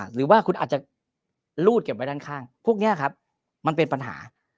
หรือว่าคุณอาจจะรูดเก็บไว้ด้านข้างพวกนี้ครับมันเป็นปัญหา